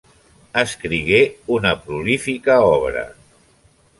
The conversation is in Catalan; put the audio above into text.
Escrigué una prolífica obra.